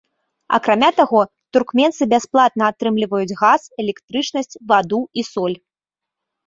Акрамя таго, туркменцы бясплатна атрымліваюць газ, электрычнасць, ваду і соль.